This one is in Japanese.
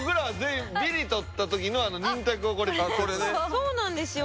そうなんですよ。